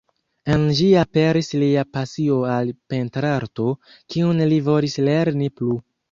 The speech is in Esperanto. En ĝi aperis lia pasio al pentrarto, kiun li volis lerni plu.